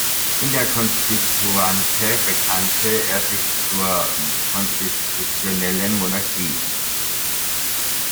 In der Konstituante bekannte er sich zur konstitutionellen Monarchie.